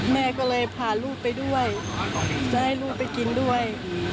แม่ก็เลยพาลูกไปด้วยจะให้ลูกไปกินด้วย